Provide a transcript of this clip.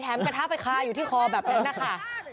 กระทะไปคาอยู่ที่คอแบบนั้นนะคะ